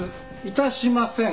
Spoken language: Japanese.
致しません。